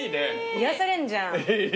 癒やされんじゃん。